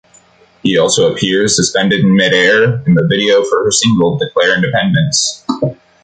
He also appears, suspended in mid-air, in the video for her single Declare Independence.